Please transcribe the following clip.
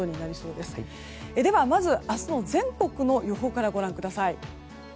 では、まず明日の全国の予報からご覧ください。